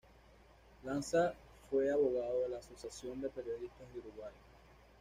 Lanza fue abogado de la Asociación de Periodistas de Uruguay.